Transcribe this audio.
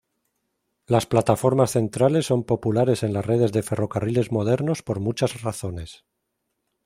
Las plataformas centrales son populares en las redes de ferrocarriles modernos por muchas razones.